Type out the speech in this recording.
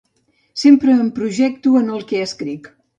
Sempre em projecto en el que escric.